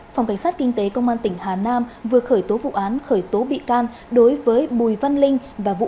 phòng cảnh sát kinh tế công an tỉnh hà nam vừa khởi tố vụ án khởi tố bị can đối với bùi văn linh và vũ